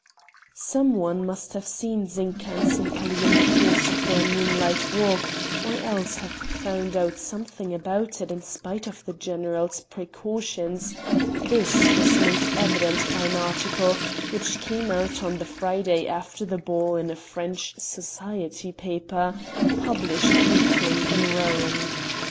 Some one must have seen Zinka and Sempaly in the course of their moonlight walk or else have found out something about it in spite of the general's precautions; this was made evident by an article which came out on the Friday after the ball in a French 'society paper' published weekly in Rome.